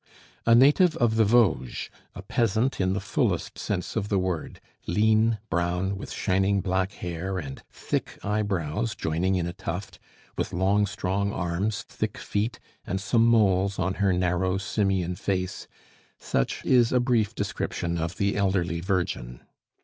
A native of the Vosges, a peasant in the fullest sense of the word, lean, brown, with shining black hair and thick eyebrows joining in a tuft, with long, strong arms, thick feet, and some moles on her narrow simian face such is a brief description of the elderly virgin.